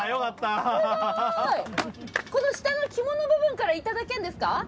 すごい！この下の肝の部分からいただけるんですか？